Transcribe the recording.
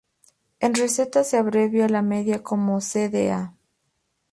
En recetas se abrevia la medida como cda.